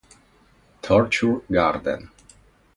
Torture Garden